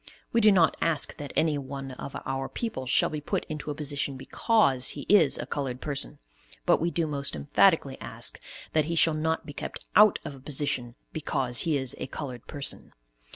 We do not ask that anyone of our people shall be put into a position because he is a colored person, but we do most emphatically ask that he shall not be kept out of a position because he is a colored person.